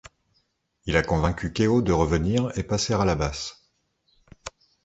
Il a convaincu Keo de revenir et passer à la basse.